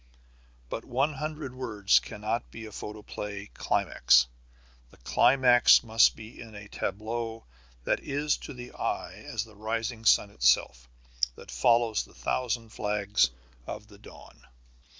But one hundred words cannot be a photoplay climax. The climax must be in a tableau that is to the eye as the rising sun itself, that follows the thousand flags of the dawn.